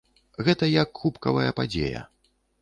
Гэта як кубкавая падзея.